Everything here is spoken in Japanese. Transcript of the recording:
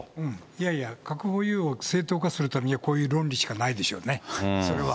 いやいや、核保有を正当化するためには、こういう論理しかないでしょうね、それは。